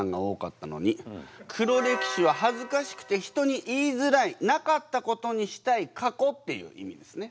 「黒歴史」ははずかしくて人に言いづらい無かったことにしたい過去っていう意味ですね。